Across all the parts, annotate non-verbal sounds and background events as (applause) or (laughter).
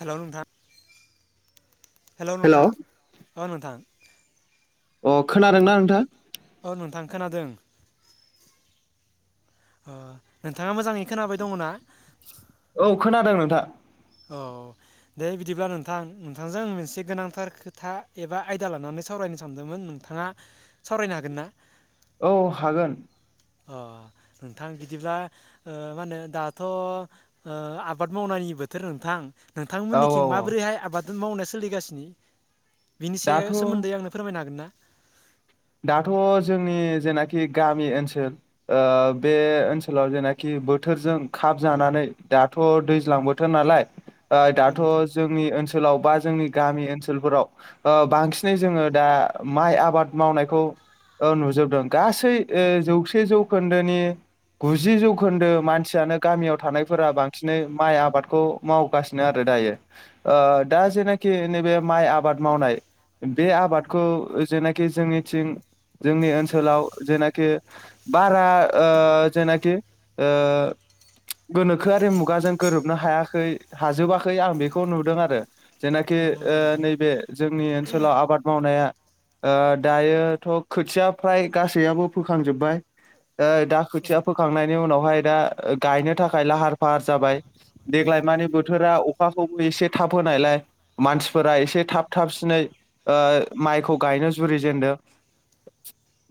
Hello नोंथां hello hello नोंथां अ औ नोंथां, अ खोनादोंना नोंथां, औ नोंथां खोनादों अ नोंथाङा मोजाङै खोनाबाय दङना? औ खोनादों नोंथां, औ दे बिदिब्ला नोंथां नोंथांजों आं मोनसे गोनांथार खोथा एबा आयदा लानानै सावराय सावरायनो सानदोंमोन नोंथाङा सावरायनो हागोन ना? औ हागोन, अ नोंथां बिदिब्ला ओ मा होनो दाथ' ओ आबाद मावनायनिबो थोर नोंथां औ औ नोंथांमोननिखिं औ माबोरैहाय आबाद मावनाय सोलिगासिनो? बिनिसे दाथ' सोमोन्दै आंनो फोरमायनो हागोन ना? दाथ' जोंनि जेनाखि गामि ओनसोल ओ बे ओनसोलाव जेनाखि बोथोरजों खाब जानानै दाथ' दैज्लां बोथोर नालाय। ओइ औ दाथ' नोंथां जोंनि ओनसोलाव बा जोंनि, गामि ओनसोलफोराव ओ बांसिनै जोङो दा माइ आबाद मावनायखौ, औ नुजोबदों गासै ओ जौसे जौखोन्दोनि, गुजि जौखोन्दो मानसियानो गामियाव थानायफोरा बांसिनै माइ आबादखौ मावगासिनो आरो दायो ओ दा जेनाखि नैबे माइ आबाद मावनाय, बे आबादखौ जेनाखि जोंनिथिं, जोंनि ओनसोलाव जेनाखि बारा ओ जेनाखि, ओ गोनोखोआरि मुगाजों गोरोबनो हायाखै हाजोबाखै आं बेखौ नुदों आरो औ जेनाखि नंगौ ओ नोंथां नैबे जोंनि ओनसोलाव आबाद मावनाया, ओ दायोथ' खोथिया फ्राय गासैआबो फोखांजोबबाय ओ दा औ खोथिया नोंथां फोखांनायनि उनावहाय दा, गायनो थाखाय लाहार फाहार जाबाय देग्लाय माने बोथोरा अखाखौबो एसे थाब होनायलाय, मानसिफोरा एसे थाब थाबसिनै ओ माइखौ गायनो जुरिजेनदों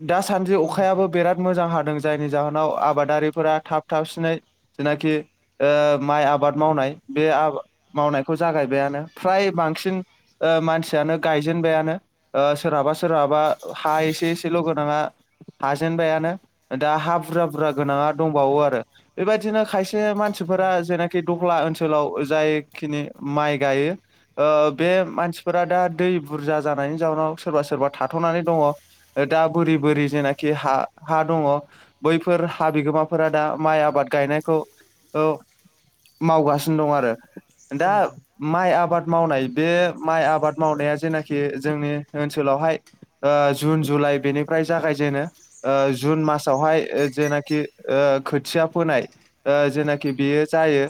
दासान्दि औ नोंथां अखायाबो बिराद मोजां हा दों जायनि जाहोनाव आबादारिफोरा थाब थाबसिनै जेनाखि, ओ माइ आबाद मावनाय बे मावनायखौ जागायबायानो फ्राय बांसिन, ओ मानसियानो गायजेनबायानो, ओ सोरहाबा सोरहाबा हा एसे एसेल' गोनाङा, हाजेनबायानो दा हा बुरजा बुरजा गोनाङा दंबावो आरो बेबायदिनो खायसे मानसि, औ नोंथां फोरा जेनाखि दख्ला ओनसोलाव जायखिनि माइ गायो, ओ बे मानसिफोरा दा दै बुरजा जानायनि जाउनाव सोरबा सोरबा थाथ'नानै दङ दा बोरि बोरि जेनाखि हा हा दङ, बैफोर हा बिगोमाफोरा दा माइ आबाद गायनायखौ औ मावगासिनो दं आरो औ दा नोंथां माइ आबाद मावनाय बे माइ आबाद मावनाया जेनाखि, जोंनि ओनसोलावहाय, ओ जुन जुलाइ बेनिफ्राय जागायजेनो ओ जुन मासावहाय जेनाखि ओ ओ खोथिया फोनाय ओ जेनाखि बेयो जायो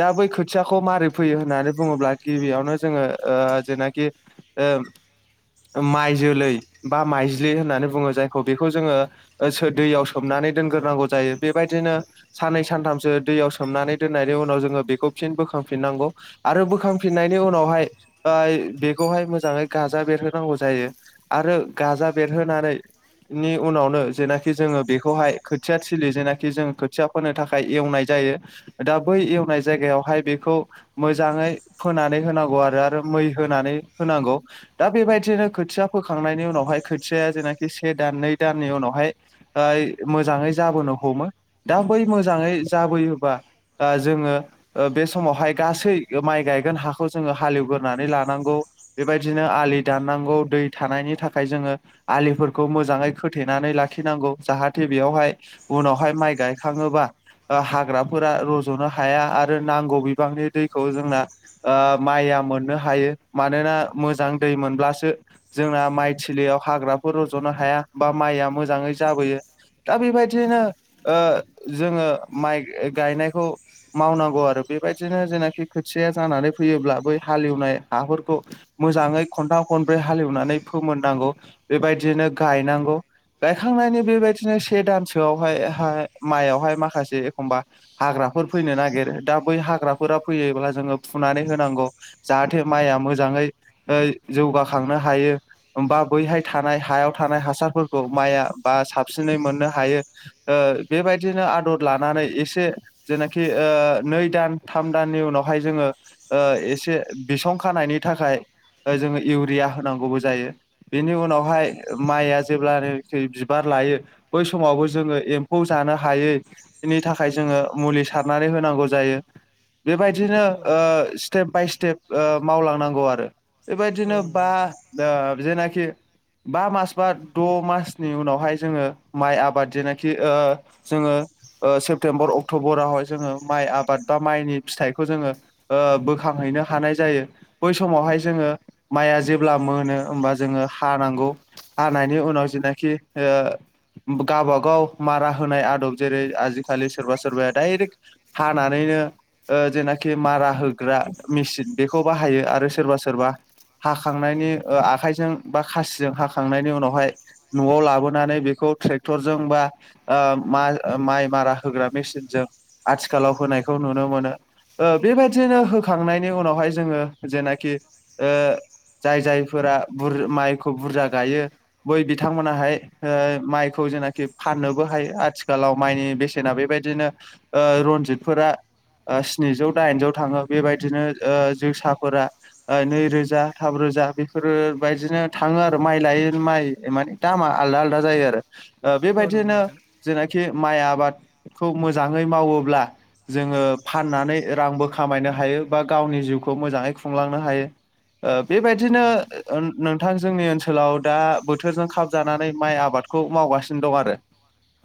दा बै खोथियाखौ मारै फैयो होननानै, बुङोब्ला गिबियावनो जोङो ओ जेनाखि ओ, (inaudible) माइ जोलै बा माइज्लि होननानै बुङो जायखौ बेखौ जोङो ओसो दैयाव सोमनानै दोन गोरनांगौ जायो बेबायदिनो साननै सानथामसो दैयाव सोमनानै दोननायनि उनाव जोङो बेखौ फिन बोखां फिननांगौ आरो बोखांफिननायनि उनावहाय ओ बेखौहाय मोजाङै गाजा बेरहोनांगौ जायो आरो गाजा बेरहोनानै नि उनावनो जेनाखि जोङो बेखौहाय खोथिया थिलि जेनाखि जों खोथिया फोनो थाखाय एवनाय जा आयो दा बै एवनाय जायगायावहाय बेखौ मोजाङै फोन होनांगौ आरो आरो मै होनानै होनांगौ दा बेबायदिनो खोथिया फोखांनायनि उनावहाय खोथियाया जेनाखि से दान नै दाननि उनावहाय ओ फाय मोजाङै जाबोनो हमो दा बै मोजाङै जाबोयोबा आ जोङो ओ बे समावहाय गासै माइ गायगोन हाखौ जोङो हालेवगोरानै लानांगौ बेबायदि दिनो आलि दाननांगौ दै थानायनि थाखाय जोङो आलिफोरखौ मोजाङै खोथेनानै लाखिनांगौ जाहाथे बेयावहाय उनावहाय माइ गायखाङोबा ओ हाग्राफोरा रज'नो हाया आरो नांगौ बिबांनि दैखौ जोंना ओ माइया या मोननो हायो मानोना मोजां दै मोनब्लासो जोंना माइ थिलियाव हाग्राफोर रज'नो हाया बा माइआ मोजाङै जाबोयो दा बेबायदियैनो ओ जोङो माइ गायनायखौ मावनांगौ आरो बेबायदिनो जेनाखि खोथिया जानानै फैयोब्ला बै हालेवनाय हाफोरखौ मोजाङै खनथाम खनब्रै हालेवनानै फोमोननांगौ बेबायदिनो गायनांगौ गायखां नायनि बेबायदिनो से दानसोआवहाय हाय माइयावहाय माखासे एखमबा हाग्राफोर फैनो नागिरो दा बै हाग्राफोरा फैयोब्ला जोङो फुनानै होनांगौ जाहाथे माइआ मोजाङै ओ जौगाखांनो हायो बा बैहाय थानाय हायाव थानाय हासारफोरखौ माइआ बा साबसिनै मोननो हायो ओ बेबायदिनो आदर लानानै एसे जेनाखि ओ नै दान थाम दाननि उनावहाय जोङो ओ एसे बिसं खानायनि थाखाय ओ जोङो इउरिया होनांगौबो जायो बेनि उनावहाय माइआ जेब्लानोखि बिबा लायो बै समावबो जोङो एम्फौ जानो हायैनि थाखाय जोङो मुलि सारनानै होनांगौ जायो बेबायदिनो औ ओ नोंथां स्टेप बाय स्टेप ओ मावलांनांगौ आरो। औ बेबायदिनो नंगौ बा नोंथां ओ जेनाखि। बा मास बा द' मासनि उनावहाय जोङो माइ आबाद जेनोखि ओ जोङो। ओ सेप्तेम्बर अक्ट'बरावहाय जोङो माइ आबाद बा माइनि फिथाइखौ जोङो ओ बोखां। हैनो हानाय जायो बै समावहाय। जोङो माइआ जेब्ला मोनो होमबा जोङो हानांगौ। हानायनि उनाव जेनाखि ओ। गावबागाव मारा होनाय आदब जेरै आजिखालि सोरबा सोरबाया दडायरेक्ट हानानै ओ जेनाखि मारा होग्रा मेचन बेखौ बाहायो आरो सोरबा सोरबा हाखांनायनि ओ आखाइजों बा खासिजों हाखांनायनि उनावहाय न'आव लाबोनानै बेखौ खौ ट्रेक्टरजोंबा ओ मा-माइ मारा होग्रा मेसिनजों आथिखालाव होनायखौ नुनो मोनो। ओ बेबायदिनो होखांनायनि उनावहाय जोङो जेनाखि ओ जाय जायफोरा बुर माइखौ बुरजा गायो बै बिथांमोनाहाय ओ माइखौ जेनाखि फाननोबो हायो आथिखालाव माइनि बेसेना बेबायदिनो ओ रनजितफोरा ओ स्निजौ दाइनजौ थाङो बेबायदिनो जोसा फोरा ओ नै रोजा थाम रोजा बेफोर बाइदिनो थाङो आरो माइ लाय माइ माने दामा आ आलदा आलदा जायो आरो ओ औ नंगौ बेबायदिनो नोंथां जेनाखि माइ आबादखौ मोजाङै मावोब्ला जोङो फाननानै रांबो खामायनो हायो ओ बा गावनि जिउखौ मोजाङै खुंलांनो हायो। ओ बेबायदिनो ओ नोंथां जोंनि ओनसोलाव दा बोथोरजों खाब जानानै माइ आबादखौ। खौ मावगासिनो दं आरो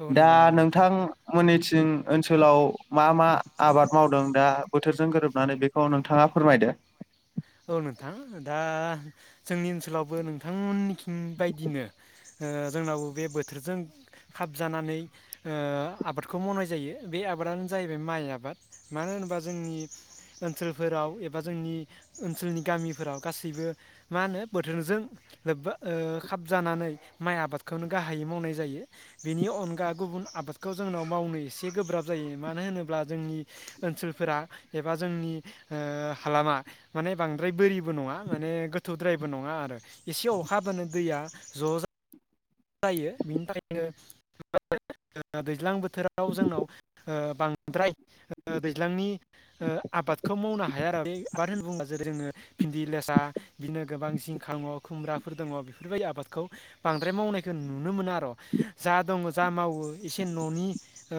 औ दा नंगौ नंगौ नोंथां मोननिथिं ओनसोलाव मा मा आबाद मावदों दा बोथोरजों गोरोबनानै बेखौ नोंथाङा फोरमायदो (inaudible) औ नोंथां दा जोंनि ओनसोलावबो नोंथांमोननि बायदिनो ओ जोंनावबो बे बोथोरजों खाबजानानै ओ आबादखौ मावनाय जायो बे आबादानो जाहैबाय माइ आबाद मानो होनबा जोंनि ओनसोलफोराव एबा जोंनि ओनसोलनि गामिफोराव गासैबो मा होनो बोथोरजों लोब्बा ओ खाबजानानै माइ आबादखौनो गाहायै मावनाय जायो बेनि अनगा गुबुन आबादखौ जोंनाव मावनो एसे गोब्राब जायो मानो होनोब्ला जोंनि ओनसोलफोरा एबा जोंनि ओ हालामा माने बांद्राय बोरिबो नङा माने गोथौद्रायबो नङा आरो एसे अखाबानो दैया ज जा जायो बिनि थाखायनो (unintelligible) ओ दैज्लां बोथोराव जोंनाव ओ बांद्राय ओ दैज्लांनि ओ आबादखौ मावनो हाया आरो (unintelligible) होना बुङोबा जोङो भिन्दि लेस्रा बिदिनो गोबां जिंखा (unintelligible) खुमब्राफोर दङ बेफोरबायदि आबादखौ बांद्राय मावनाय नुनो मोनो आरो जा दङ जा मावो एसे ननि ओ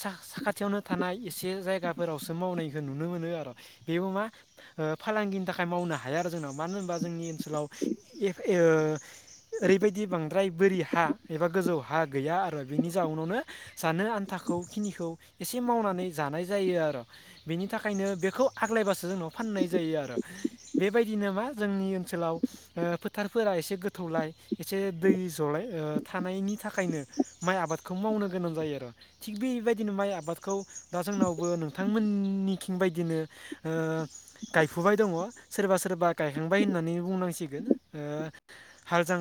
सा साखा थियावनो थानाय एसे जायगाफोरावसो मावनायखौ नुनो मोनो आर' बेबो मा ओ फालांगिनि था खाय मावनो हाया आरो जोंनाव मानो होनबा जोंनि ओनसोलाव ओ ओरैबायदि बां द्राय बोरि हा एबा गोजौ हा गैया आरो बेनि जाउनावनो जानो आन्थाखौ खिनिखौ एसे मावनानै जानाय जायो आरो बेनि थाखायनो बेखौ आग्लायबासो जोंनाव फाननाय जायो आरो बेबायदिनो मा जोंनि ओनसोलाव ओ फोथारफोरा एसे गोथौलाय एसे दै जलाय ओ थानायनि थाखायनो माइ आबादखौ मावनो गोनां जायो आरो थिग बेबायदिनो मा माइ आबादखौ दा जोंनावबो नोंथांमोननिखिं बायदिनो ओ गायफुबाय द दङ सोरबा सोरबा गायखांबाय होननानै बुंनांसिगोन ओ हाल जां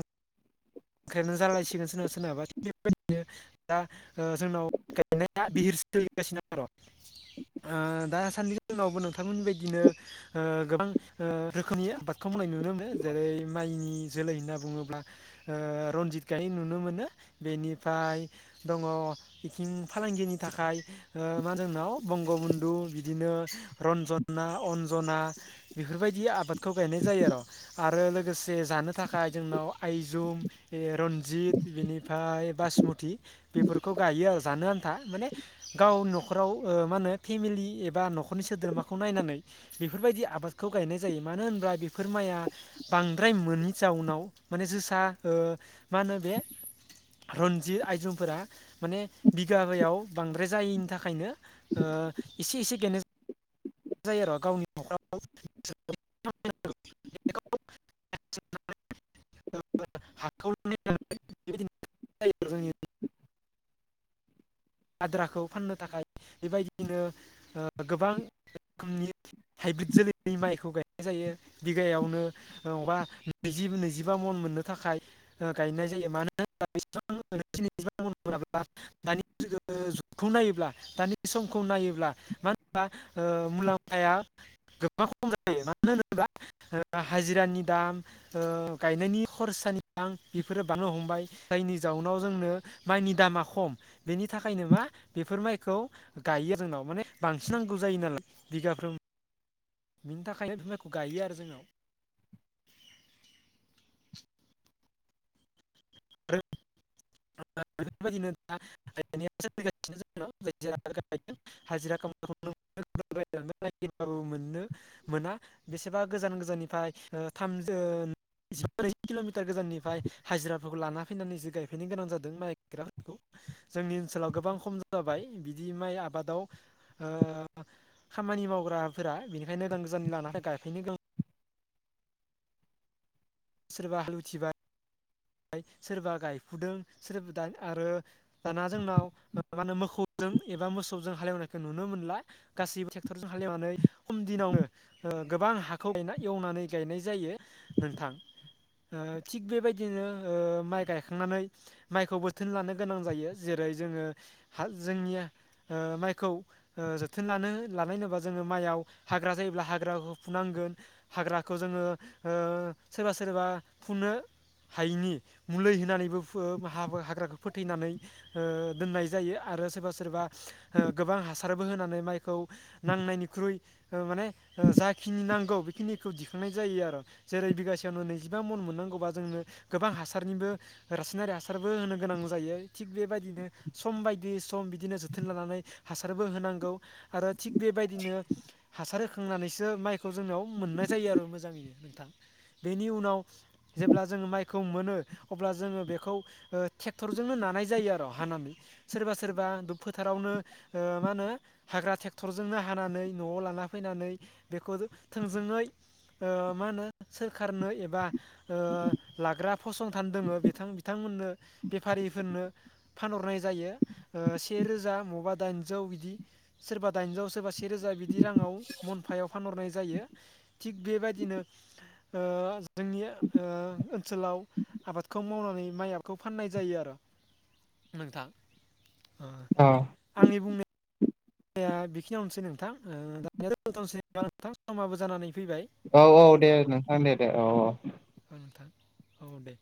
ख्रायानो जालायसिगोन सोरनाबा सोरनाबा (unintelligible) दा ओ जोंनाव गायनाया बिहिर सोलिगासिनो आरो आ दासान्दि उनावबो नोंथांमोननि बायदिनो ओ गोबां ओ रोखोमनि आबादखौ (unintelligible) नुनो मोनो जेरै माइनि जोलै होनना बुङोब्ला ओ रन्जित गायनाय नुनो मोनो बेनिफ्राय दङ बिथिं फालांगिनि था थाखाय ओ मा (unintelligible) बेफोरबायदि आबादखौ गायनाय जायो आर आरो लोगोसे जानो थाखाय जोंनाव आइजुं बे रन्जित बिनिफ्राय बासमति बेफोरखौ गायो आरो जानो आन्था माने गाव नखराव ओ मा होनो फेमिलि एबा नखरनि सोद्रोमाखौ नायनानै बेफोरबायदि आबा दखौ गायनाय जायो मानो होनबा बेफोर माइआ बांद्राय मोनि जाउनाव माने जोसा ओ मा होनो बे रनजित आयजंफोरा माने बिगाबायाव बांद्राय जायैनि थाखायनो ओ ओ एसे एसे गायनाय जायो आर' गावनि नखराव (unintelligible) (unintelligible) आद्राखौ फाननो थाखाय बेबायदिनो ओ गोबां रोखोमनि हाइब्रिद जोलैनि माइखौ गायनाय जायो बिघायावनो (unintelligible) नैजि नैजिबा मन मोननो थाखाय ओ गायनाय जायो (unintelligible) जुगखौ नायोब्ला दानि समखौ नायोब्ला मा होनबा ओ मुलाम्फाया गोबां खम जायो मानो होनोब्ला ओ हाजिरानि दाम ओ गायनायनि खरसानि बां बेफोरो बांनो हमबाय जायनि जाउनाव जोंनो माइनि दामा खम बेनि थाखायनो मा बेफोर माइखौ गायो जोंनाव माने बांसिन नांगौ जायो नालाय बिगाफ्रोम बिनि थाखायनो बे माइखौ गायो आरो जोंनाव (unintelligible) (unintelligible) (unintelligible) मोना बेसेबा गोजान गोजाननिफ्राय ओ थाम जोन (unintelligible) किल मिटार गोजाननिफ्राय हाजिरा लाना फैनानैसो गायफैनो गोनां जादों माइग्राफोरखौ जोंनि ओनोलाव गोबां खम जाबाय बिदि बि माइ आबादाव ओ खामानि मावग्राफोरा बेनिखायनो गोदान गोजाननि लानानै गायफैनो गोन सोरबा हालुथिबाय सोरबा गायफुदों सोरबोदाय आरो दाना जोंनाव मा होनो मोखौजों एबा मोसौजों हालेवनायखौ नुनो मोनला गासैबो ट्रेक्टरजों हालेवनानै खम दिनावनो ओ गोबां हाखौ गायना एवनानै गायनाय जायो नोंथां ओ थिग बेबायदिनो ओ माइ गायखांनानै माइखौ बोथोन लानो गोनां जायो जेरै जोङो हा जोंनि ओ माइखौ ओ जोथोन लानो लानाय होनोबा जोङो माइयाव हाग्रा जायोब्ला हाग्राखौ फुनांगोन हाग्राखौ जोङो ओ सोरबा सोरबा फुनो हायिनि मुलै होनानैबो फुंओ हाबा हाग्राखौ फोथैनानै ओ दोननाय जायो आरो सोरबा सोरबा ओ गोबां हासारबो होनानै माइखौ नांनायनिख्रुइ ओ माने ओ जाखिनि नांगौ बेखिनिखौ दिखांनाय जायो आरो जेरै बिगासेयावनो नैजिबा मन मोननां खौरां जोंनो गोबां हा सारनिबो रासायनारि हासारबो होनो गोनां जायो थिग बेबायदिनो सम बायदियै सम बिदिनो ज थोन लानानै हासारबो होनांगौ आरो थिग बेबायदिनो हासार होखांनानैसो माइखौ जोंनाव मोननाय जायो आरो मोजाङैनो नोंथां बेनि उनाव जेब्ला जोङो माइखौ मोनो अब्ला जोङो बेखौ ओ टेक्टरजोंनो नानाय जायो आरो हानानै सोरबा सोरबा दु फोथार रावनो ओ मा होनो हाग्रा टेक्टरजोंनो हानानै नआव लाना फैनानै बेखौ थोंजोङै ओ मा होनो सोरखारनो एबा लाग्रा फसंथान दङो बिथां बिथांमोननो बेफारिफोरनो फानहरनाय जायो ओ से रोजा मबा दाइजौ बिदि सोरबा दाइनजौ सोरबा सेे रोजा बिदि राङाव मनफायाव फानहरनाय जायो थिग बेबायदिनो ओ जोंनि ओ ओनसोलाव आबादखौ मावनानै माइ आबादखौ फाननाय जायो आरो नोंथां ओ औ आंनि बुंने या बेखिनियावसै नोंथां दसै नोंथां समाबो जानानै फैबाय औ औ दे नोंथां दे दे औ औ अ दे